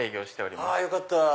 よかった！